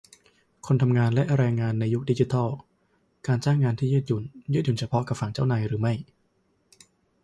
คนทำงานและแรงงานในยุคดิจิทัล - การจ้างงานที่ยืดหยุ่น ยืดหยุ่นเฉพาะกับฝั่งนายจ้างหรือไม่ ?